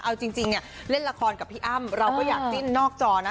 เอาจริงเนี่ยเล่นละครกับพี่อ้ำเราก็อยากจิ้นนอกจอนะ